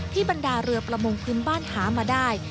บรรดาเรือประมงพื้นบ้านหามาได้